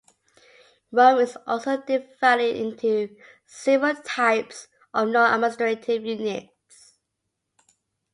Rome is also divided into several types of non-administrative units.